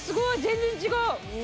全然違う！